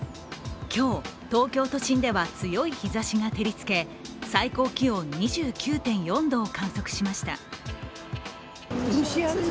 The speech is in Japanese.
今日、東京都心では強い日ざしが照りつけ最高気温２９．４度を観測しました。